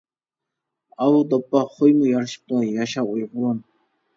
ئاۋۇ دوپپا خويمۇ يارىشىپتۇ. ياشا ئۇيغۇرۇم.